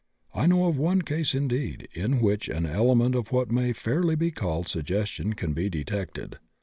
I know of one case, indeed, in which an element of what may fairly be called suggestion can be detected.